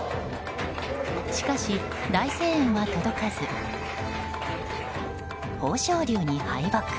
しかし、大声援は届かず豊昇龍に敗北。